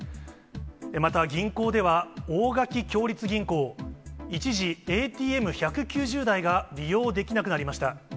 また銀行では、大垣共立銀行、一時ＡＴＭ１９０台が利用できなくなりました。